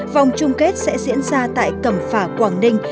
vòng chung kết sẽ diễn ra tại cẩm phả quảng ninh